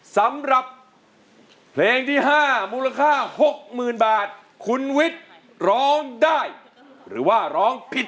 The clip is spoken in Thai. สำหรับเพลงที่๕มูลค่า๖๐๐๐บาทคุณวิทย์ร้องได้หรือว่าร้องผิด